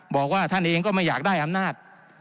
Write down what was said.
บอกว่าท่านเองก็ไม่อยากได้อำนาจ